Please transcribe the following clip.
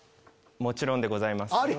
もちろんでございます。